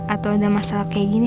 atau ada masalah kayak gini